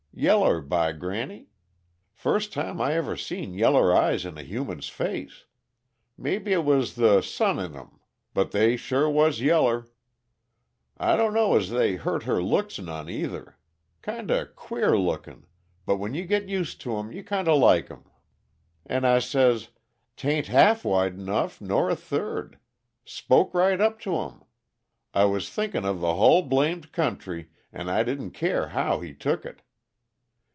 Yeller, by granny! first time I ever seen yeller eyes in a human's face. Mebbe it was the sun in 'em, but they sure was yeller. I dunno as they hurt her looks none, either. Kinda queer lookin', but when you git used to 'em you kinda like 'em. "'N' I says: 'Tain't half wide enough, nor a third' spoke right up to 'im! I was thinkin' of the hull blamed country, and I didn't care how he took it.